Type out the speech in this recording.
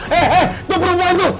eh eh tuh perempuan tuh